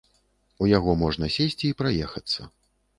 У яго можна сесці і праехацца.